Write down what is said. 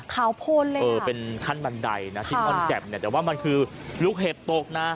โพนเลยเออเป็นขั้นบันไดนะที่อ้อนแจ่มเนี่ยแต่ว่ามันคือลูกเห็บตกนะ